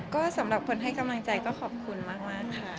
ก็สำหรับคนให้กำลังใจก็ขอบคุณมากค่ะ